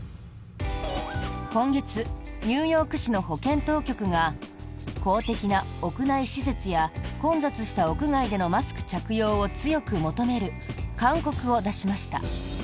今月ニューヨーク市の保健当局が公的な屋内施設や混雑した屋外でのマスク着用を強く求める勧告を出しました。